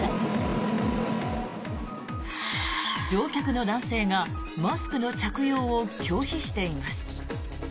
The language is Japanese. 乗客の男性がマスクの着用を拒否しています。